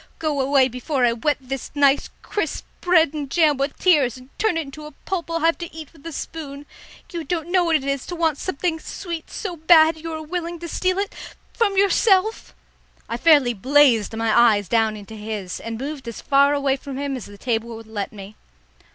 Go away before I wet this nice crisp bread and jam with tears, and turn it into a pulp I'll have to eat with a spoon. You don't know what it is to want something sweet so bad you are willing to steal it from yourself!" I fairly blazed my eyes down into his, and moved as far away from him as the table would let me.